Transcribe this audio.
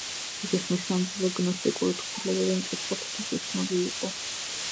დიდი ხნის მანძილზე გნოსტიკური თხზულებები მკითხველთათვის უცნობი იყო.